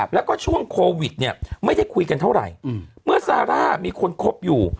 แล้วก็ช่วงโควิดเนี่ยไม่ได้คุยกันเท่าไหร่เมื่อซาร่ามีคนคบอยู่